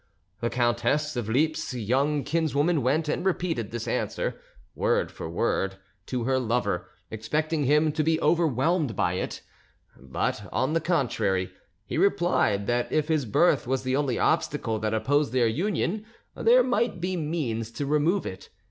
The Countess of Lippe's young kinswoman went and repeated this answer, word for word, to her lover, expecting him to be overwhelmed by it; but, on the contrary, he replied that if his birth was the only obstacle that opposed their union, there might be means to remove it.